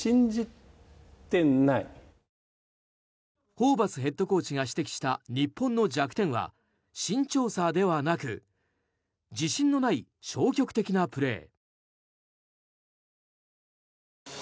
ホーバスヘッドコーチが指摘した日本の弱点は身長差ではなく自信のない消極的なプレー。